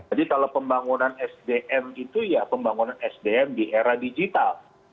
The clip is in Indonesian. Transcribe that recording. jadi kalau pembangunan sdm itu ya pembangunan sdm di era digital